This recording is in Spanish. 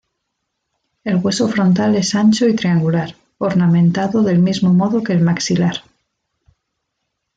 El hueso frontal es ancho y triangular, ornamentado del mismo modo que el maxilar.